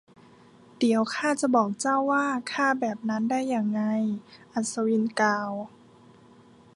เดี๋ยวข้าจะบอกเจ้าว่าข้าแบบนั้นได้ยังไง อัศวินกล่าว